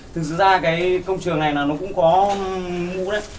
thực sự ra cái công trường này nó cũng có mũ đấy